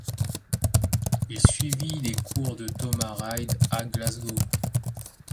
Il suivit les cours de Thomas Reid à Glasgow.